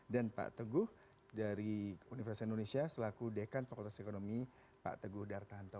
dan pak teguh dari universitas indonesia selaku dekan fakultas ekonomi pak teguh d'artanto